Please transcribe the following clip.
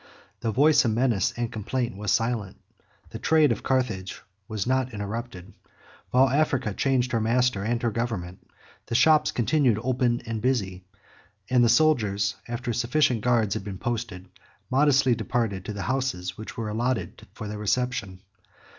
The voice of menace and complaint was silent; the trade of Carthage was not interrupted; while Africa changed her master and her government, the shops continued open and busy; and the soldiers, after sufficient guards had been posted, modestly departed to the houses which were allotted for their reception.